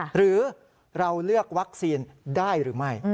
หรือเราเลือกวัคซีนได้หรือไม่